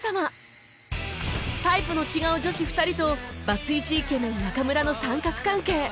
タイプの違う女子２人とバツイチイケメン中村の三角関係